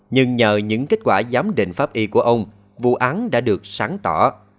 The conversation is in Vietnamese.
nhưng nhờ những kết quả giám định pháp y của ông vụ án đã được sáng tỏ